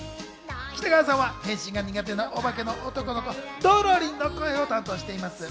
北川さんは変身が苦手なオバケの男の子・ドロリンの声を担当しています。